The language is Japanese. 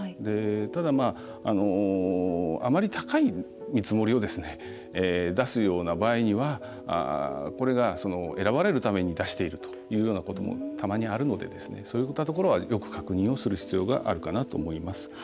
ただ、あまり高い見積もりを出すような場合にはこれが選ばれるために出しているというようなこともたまにあるのでそういったところはよく確認をする必要があるかなと思います。